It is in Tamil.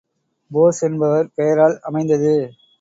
போஸ் என்பவர் பெயரால் அமைந்தது.